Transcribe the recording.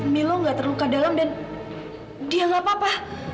milo gak terluka dalam dan dia nggak apa apa